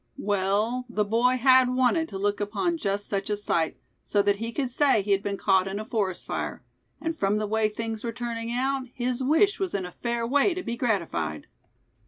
Well, the boy had wanted to look upon just such a sight, so that he could say he had been caught in a forest fire; and from the way things were turning out, his wish was in a fair way to be gratified.